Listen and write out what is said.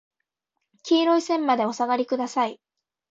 黄色い線までお下りください。